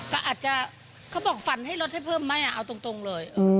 ก็อาจจะเขาบอกฝันให้ลดให้เพิ่มไหมเอาตรงเลย